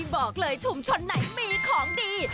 บอกเลยชุมชนไหนมีของดี